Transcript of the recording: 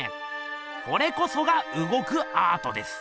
これこそがうごくアートです！